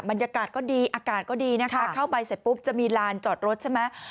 บรรยากาศก็ดีอากาศก็ดีนะคะเข้าไปเสร็จปุ๊บจะมีลานจอดรถใช่ไหม